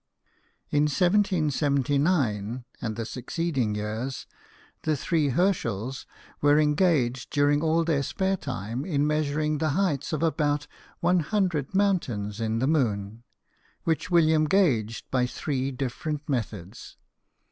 In 17/9 and the succeeding years the three H ^rschels were engaged during all their spare time in measuring the heights of about one hundred mountains in the moon, which William gauged by three different methods.